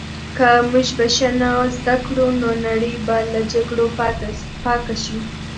که موږ بښنه زده کړو، نو نړۍ به له جګړو پاکه شي.